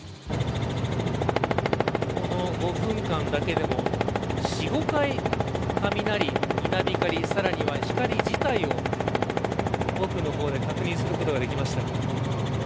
この５分間だけでも４、５回雷、稲光さらには光自体を奥の方で確認することができました。